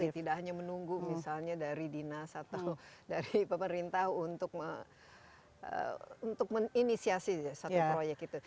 tidak hanya menunggu misalnya dari dinas atau dari pemerintah untuk menginisiasi satu proyek itu